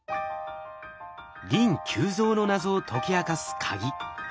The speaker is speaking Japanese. リン急増の謎を解き明かすカギ。